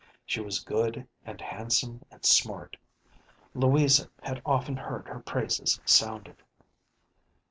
She was good and handsome and smart. Louisa had often heard her praises sounded.